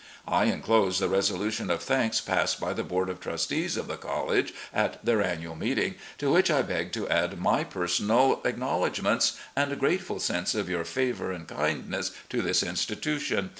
I inclose the resolution of thanks passed by the Board of Trustees of the College at their annual meeting, to which I beg to add my personal acknowledgments and grateful sense of your favour and kindness to this institution.